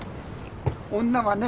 女はね